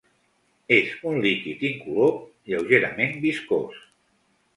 És un líquid incolor lleugerament viscós.